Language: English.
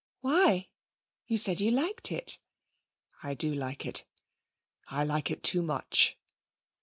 'Why? you said you liked it.' 'I do like it. I like it too much.'